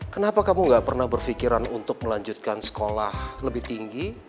kenapa kamu gak pernah berpikiran untuk melanjutkan sekolah lebih tinggi